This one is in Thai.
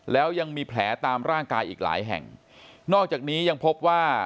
แล้วยังมีแผลตามร่างกายอีกหลายแห่งนอกจากนี้ยังพบว่า